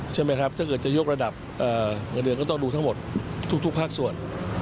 ใช่ไหมครับถ้าเกิดจะยกระดับเงินเดือนก็ต้องดูทั้งหมดทุกภาคส่วน